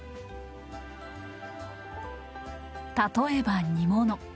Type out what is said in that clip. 例えば煮物。